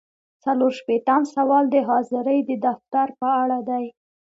څلور شپیتم سوال د حاضرۍ د دفتر په اړه دی.